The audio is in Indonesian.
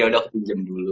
yaudah aku pinjem dulu